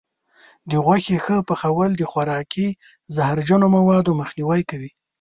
د غوښې ښه پخول د خوراکي زهرجنو موادو مخنیوی کوي.